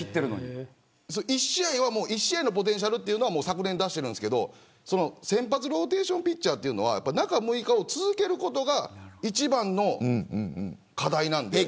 １試合のポテンシャルは昨年出しているんですけれど先発ローテーションピッチャーというのは中６日を続けることが一番の課題なんです。